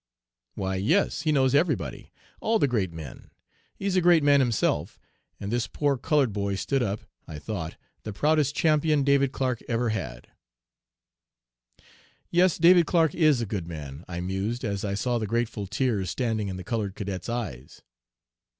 "'Why, yes; he knows everybody all the great men. He's a great man himself;' and this poor colored boy stood up, I thought, the proudest champion David Clark ever had. "'Yes, David Clark is a good man,' I mused, as I saw the grateful tears standing in the colored cadet's eyes.